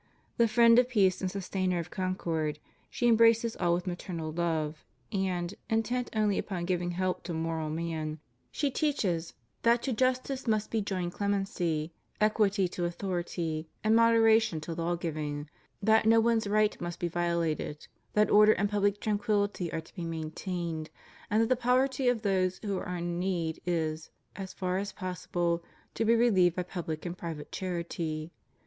The friend of peace and sustainer of concord, she em braces all with maternal love ; and, intent only upon giving help to moral man, she teaches that to justice must be FREEMASONRY. lOl joined clemency, equity to authority, and moderation to law giving; that no one's right must be violated; that order and public tranquillity are to be maintained; and that the poverty of those who are in need is, as far as pos sible, to be relieved by public and private charity.